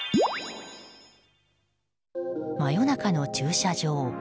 真夜中の駐車場。